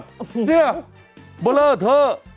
เนี่ยเบลอเถอะ